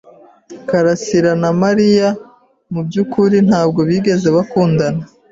Karasirana Mariya mubyukuri ntabwo bigeze bakundana.